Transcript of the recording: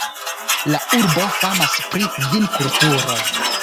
La urbo famas pri vinkulturo.